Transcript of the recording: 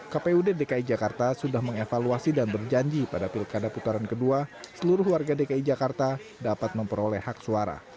kpu dki jakarta sudah mengevaluasi dan berjanji pada pilkada putaran kedua seluruh warga dki jakarta dapat memperoleh hak suara